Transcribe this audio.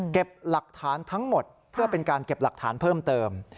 หลักฐานทั้งหมดเพื่อเป็นการเก็บหลักฐานเพิ่มเติม